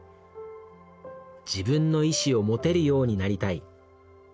「自分の意志を持てるようになりたい。